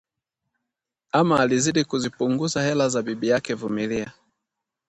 ama alizidi kuzipunguza hela za bibi yake Vumilia